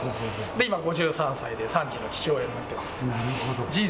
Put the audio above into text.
今５３歳で３児の父親になってます。